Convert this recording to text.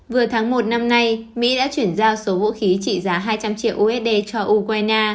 vừa tháng một năm nay mỹ đã chuyển giao số vũ khí trị giá hai trăm linh triệu usd cho ukraine